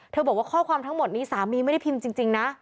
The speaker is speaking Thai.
บอกว่าข้อความทั้งหมดนี้สามีไม่ได้พิมพ์จริงนะ